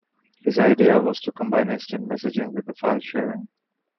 His idea was to combine instant messaging with file sharing.